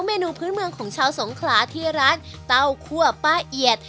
เมนูพื้นเมืองของชาวสงขลาที่ร้านเต้าคั่วป้าเอียด